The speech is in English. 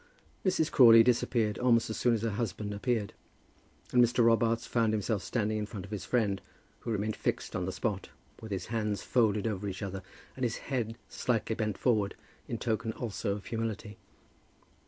Mrs. Crawley disappeared almost as soon as her husband appeared, and Mr. Robarts found himself standing in front of his friend, who remained fixed on the spot, with his hands folded over each other and his neck slightly bent forward, in token also of humility.